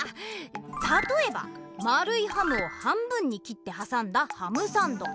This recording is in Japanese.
たとえばまるいハムを半分に切ってはさんだハムサンド。